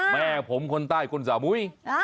แม่ผมคนใต้คนสามุย